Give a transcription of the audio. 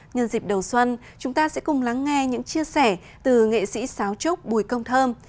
nhân dịp đầu xuân chúng ta sẽ cùng lắng nghe những chia sẻ từ nghệ sĩ sáo trúc bùi công thơm